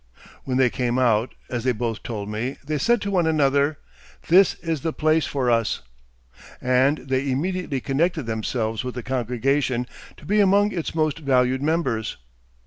"When they came out, as they both told me, they said to one another: "'This is the place for us!' "And they immediately connected themselves with the congregation, to be among its most valued members.